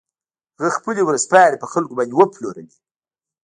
هغه خپلې ورځپاڼې په خلکو باندې وپلورلې.